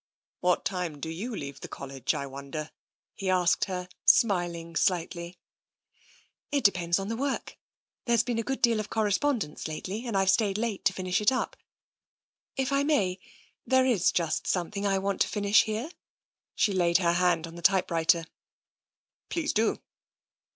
" What time do you leave the College, I wonder ?" he asked her, smiling slightly. It depends on the work. There's been a good deal (( TENSION 55 of correspondence lately and I've stayed late to finish it up. If I may, there is just something I want to finish here." She laid her hand on the typewriter. " Please do.''